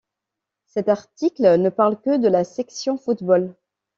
Cet article ne parle que de la section football.